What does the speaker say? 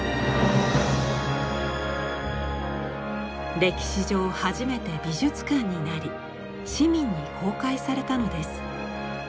歴史上初めて美術館になり市民に公開されたのです。